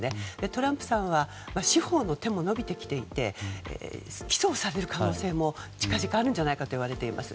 トランプさんは司法の手も伸びてきていて起訴される可能性も近々、あるんじゃないかといわれています。